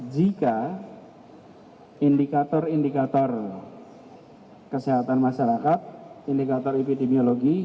jika indikator indikator kesehatan masyarakat indikator epidemiologi